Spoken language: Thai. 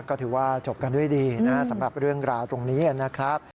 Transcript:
ก็ถือว่าจบกันด้วยดีนะครับสำหรับเรื่องราวตรงนี้นะครับ